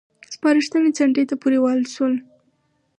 سپارښتنې څنډې ته پورې ووهل شوې.